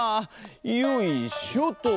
よいしょと。